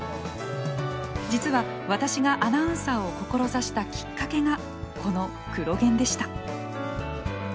実は私がアナウンサーを志したきっかけがこの「クロ現」でした。